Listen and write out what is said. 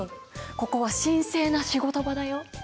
ここは神聖な仕事場だよ？